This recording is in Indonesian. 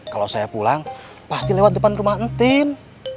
kalau saya pulang pasti lewat depan rumah etin